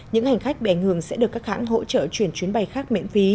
những hành khách bị ảnh hưởng sẽ được các hãng hỗ trợ chuyển chuyến bay khác miễn phí